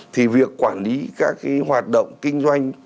thì việc quản lý các cái hoạt động kinh doanh